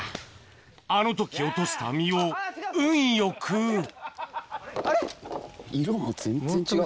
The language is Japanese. あの時落とした実を運良くあれ？